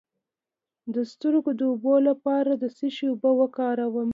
د سترګو د اوبو لپاره د څه شي اوبه وکاروم؟